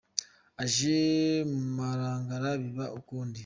Ije mu Marangara biba ukundi: